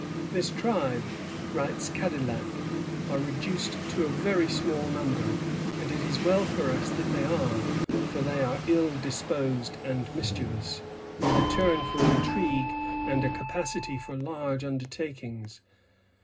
This tribe, writes Cadillac, "are reduced to a very small number; and it is well for us that they are, for they are ill disposed and mischievous, with a turn for intrigue and a capacity for large undertakings.